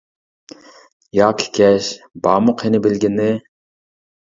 ياكى كەچ. بارمۇ قېنى بىلگىنى؟ !